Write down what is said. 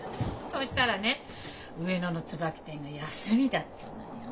そしたらね上野の椿亭が休みだったのよ。